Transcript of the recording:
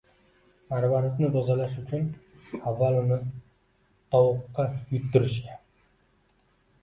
Marvaridni tozalash uchun avval uni tovuqqa yutdirishgan.